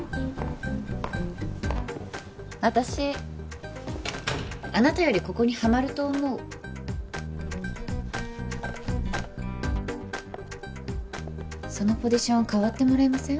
私あなたよりここにはまると思うそのポジション代わってもらえません？